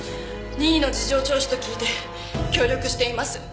任意の事情聴取と聞いて協力しています。